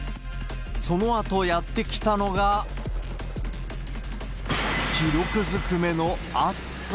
そのあとやって来たのが、記録ずくめの暑さ。